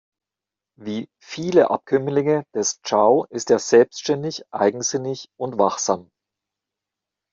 Wie viele Abkömmlinge des Chow ist er selbständig, eigensinnig und wachsam.